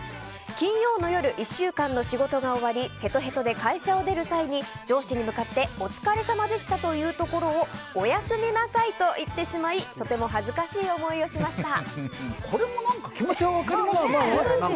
金曜の夜、１週間の仕事が終わりへとへとで会社を出る際に上司に向かってお疲れ様でしたというところをおやすみなさいと言ってしまいとても恥ずかしい思いをしました。